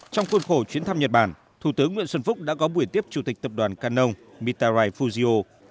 trong cuốn khổ chuyến thăm nhật bản thủ tướng nguyễn xuân phúc đã góp buổi tiếp chủ tịch tập đoàn càn nông mitarai fujio